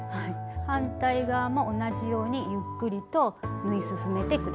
反対側も同じようにゆっくりと縫い進めてください。